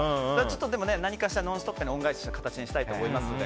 でも、何かしら「ノンストップ！」に恩返しする形にしたいと思いますので。